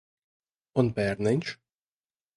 Un bērniņš?